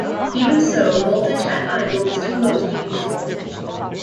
Even so, voltage at idle was too low to be useful.